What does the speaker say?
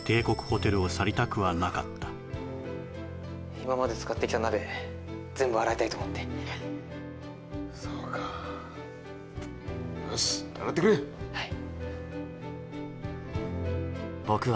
今まで使ってきた鍋全部洗いたいと思ってそうかよし洗ってくれはい